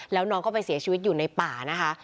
แล้วน้องก็ไปเสียชีวิตอยู่ในป่านะคะ